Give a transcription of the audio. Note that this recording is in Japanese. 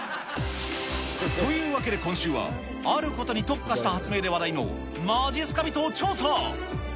というわけで今週は、あることに特化した発明で話題のまじっすか人を調査。